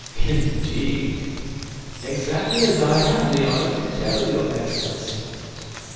"Indeed!" "Exactly as I have the honor to tell your Excellency."